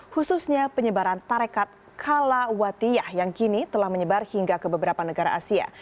khususnya penyebaran tarekat kala watiyah yang kini telah menyebar hingga ke beberapa negara asia